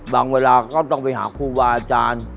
เวลาก็ต้องไปหาครูวาอาจารย์